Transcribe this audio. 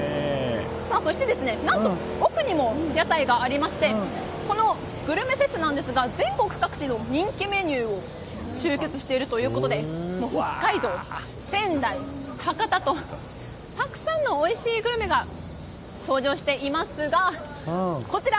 そして、何と奥にも屋台がありましてこのグルメフェスなんですが全国各地の人気メニューが集結しているということで北海道、仙台、博多とたくさんのおいしいグルメが登場していますがこちら